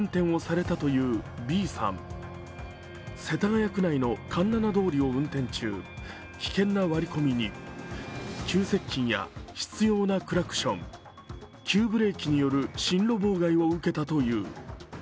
世田谷区内の環７通りを運転中、危険な割り込みに急接近や執ようなクラクション、急ブレーキによる進路妨害を受けたという。